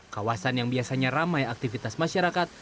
kawasan yang biasanya ramai aktivitas masyarakat